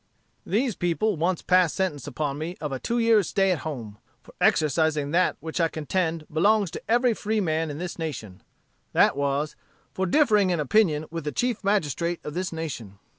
"These people once passed sentence upon me of a two years' stay at home, for exercising that which I contend belongs to every freeman in this nation: that was, for differing in opinion with the chief magistrate of this nation.